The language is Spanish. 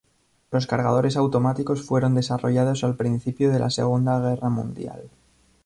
Los cargadores automáticos fueron desarrollados al principio de la Segunda Guerra Mundial.